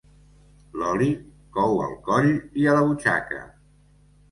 L'oli cou al coll i a la butxaca.